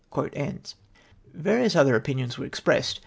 109 Various other opinions were expressed.